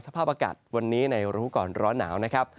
สภาพอากาศวันนี้ในรู้ก่อนร้อนหนาวนะครับ